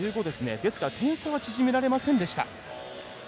ですから点差は縮められませんでした。